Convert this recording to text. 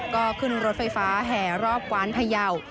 ก็ขึ้นรถไฟฟ้าแห่รอบกวานพยาว